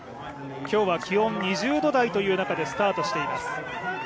今日は気温２０度台という中でスタートしています。